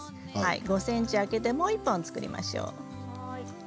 ５ｃｍ空けてもう１本作りましょう。